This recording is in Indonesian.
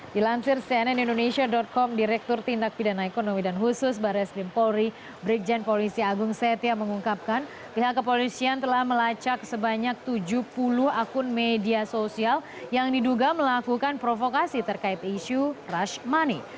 dilansir cnn indonesia com direktur tindak pidana ekonomi dan khusus baris krim polri brigjen polisi agung setia mengungkapkan pihak kepolisian telah melacak sebanyak tujuh puluh akun media sosial yang diduga melakukan provokasi terkait isu rashmani